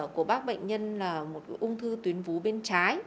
của bác bệnh nhân là một ung thư tuyến vú bên trái